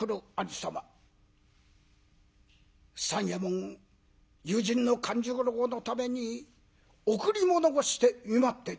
三右衛門友人の勘十郎のために贈り物をして見舞っています。